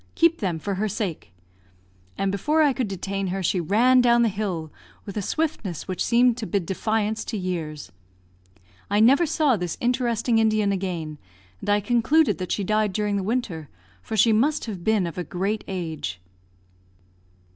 Keep them for her sake," and before I could detain her she ran down the hill with a swiftness which seemed to bid defiance to years. I never saw this interesting Indian again, and I concluded that she died during the winter, for she must have been of a great age.